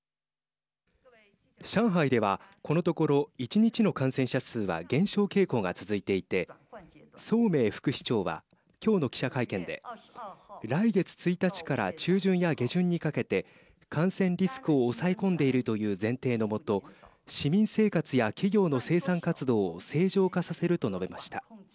上海では、このところ１日の感染者数は減少傾向が続いていて宗明副市長はきょうの記者会見で来月１日から中旬や下旬にかけて感染リスクを抑え込んでいるという前提のもと市民生活や企業の生産活動を正常化させると述べました。